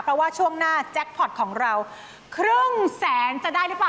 เพราะว่าช่วงหน้าแจ็คพอร์ตของเราครึ่งแสนจะได้หรือเปล่า